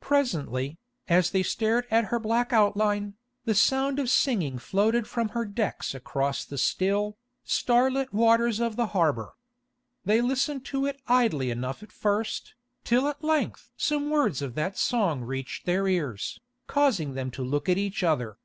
Presently, as they stared at her black outline, the sound of singing floated from her decks across the still, starlit waters of the harbour. They listened to it idly enough at first, till at length some words of that song reached their ears, causing them to look at each other.